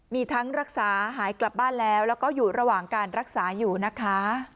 มีทั้งรักษาหายกลับบ้านแล้วแล้วก็อยู่ระหว่างการรักษาอยู่นะคะ